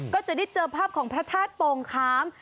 ก็จะได้เจอภาพของพระธาตุโป่งขาม